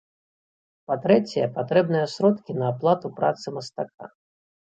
Па-трэцяе, патрэбныя сродкі на аплату працы мастака.